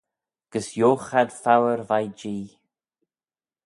Gys yioghe ad foayr veih Jee.